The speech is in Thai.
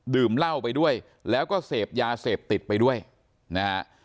ดื่มเหล้าไปด้วยแล้วก็เสพยาเสพติดไปด้วยนะฮะ